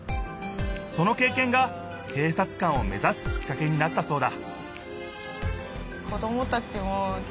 そのけいけんが警察官を目ざすきっかけになったそうだ